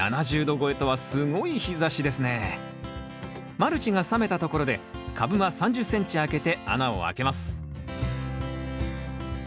マルチが冷めたところで株間３０ｃｍ空けて穴をあけます